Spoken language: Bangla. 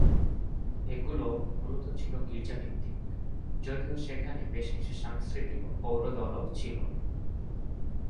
এগুলো মূলত ছিল গির্জা-ভিত্তিক, যদিও সেখানে বেশকিছু সাংস্কৃতিক ও পৌর দলও ছিল।